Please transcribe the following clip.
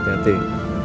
aku mau pergi